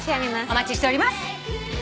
お待ちしております。